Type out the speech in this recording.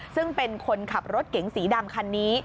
ซึ่งเป็นคนขับรถเก๋งสีดำคันนี้